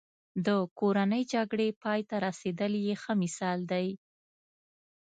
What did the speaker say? د کورنۍ جګړې پای ته رسېدل یې ښه مثال دی.